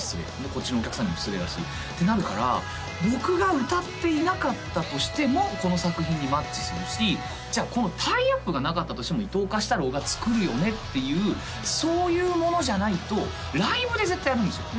こっちのお客さんにも失礼だしってなるから僕が歌っていなかったとしてもこの作品にマッチするしじゃあこのタイアップがなかったとしても伊東歌詞太郎が作るよねっていうそういうものじゃないとライブで絶対やるんですよ